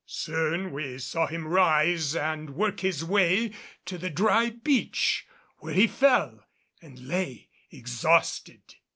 Soon we saw him rise and work his way to the dry beach, where he fell and lay exhausted.